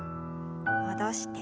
戻して。